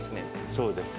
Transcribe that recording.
そうです。